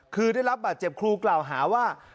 คือได้รับบาดเจ็บครูกล่าวหาว่า